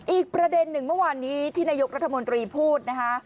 อีกประเด็นหนึ่งเมื่อวานนี้ที่นายกรัฐมนตรีพูดนะคะ